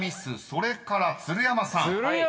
それから鶴山さん］